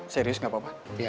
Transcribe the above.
serius gak apa apa